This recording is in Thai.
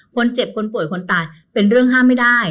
คนเจ็บคนป่วยคนตายเป็นเรื่องห้ามไม่ได้